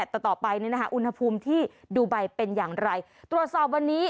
แต่ต่อไปอุณหภูมิที่ดูไบเป็นอย่างไรตรวจสอบวันนี้